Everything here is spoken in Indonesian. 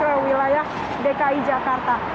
ke wilayah dki jakarta